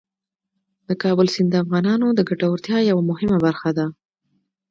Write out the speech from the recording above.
د کابل سیند د افغانانو د ګټورتیا یوه مهمه برخه ده.